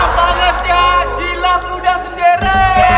mantap banget ya jilaf luda sundere